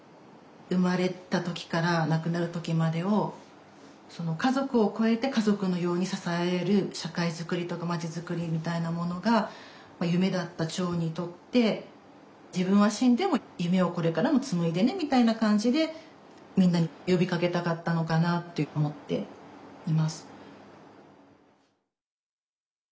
生まれた時から亡くなる時までを家族を超えて家族のように支え合える社会づくりとか町づくりみたいなものが夢だった長にとって自分は死んでも夢をこれからも紡いでねみたいな感じでみんなに呼びかけたかったのかなって思っています。